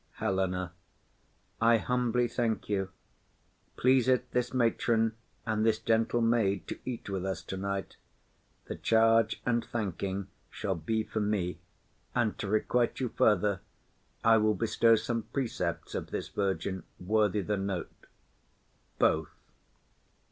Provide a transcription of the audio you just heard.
HELENA. I humbly thank you. Please it this matron and this gentle maid To eat with us tonight; the charge and thanking Shall be for me; and, to requite you further, I will bestow some precepts of this virgin, Worthy the note. BOTH.